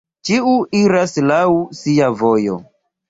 Ĉiu iras laŭ sia vojo!